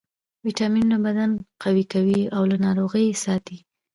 ویټامینونه بدن قوي کوي او له ناروغیو یې ساتي